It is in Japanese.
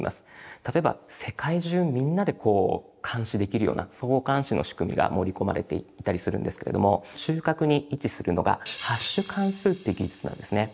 例えば世界中みんなで監視できるような相互監視の仕組みが盛り込まれていたりするんですけれども中核に位置するのがハッシュ関数っていう技術なんですね。